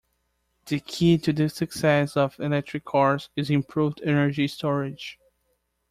The key to the success of electric cars is improved energy storage.